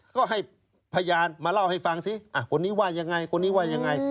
ก็ให้พยานมาเล่าให้ฟังสิคนนี้ว่ายังไงคนนี้ว่ายังไง